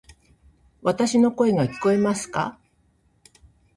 わたし（の声）が聞こえますか？